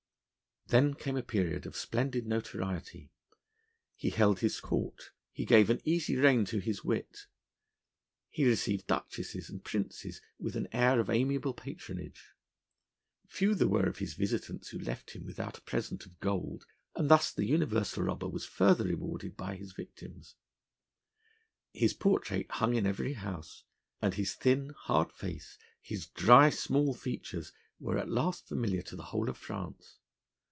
Then came a period of splendid notoriety: he held his court, he gave an easy rein to his wit, he received duchesses and princes with an air of amiable patronage. Few there were of his visitants who left him without a present of gold, and thus the universal robber was further rewarded by his victims. His portrait hung in every house, and his thin, hard face, his dry, small features were at last familiar to the whole of France.